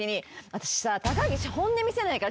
私さ。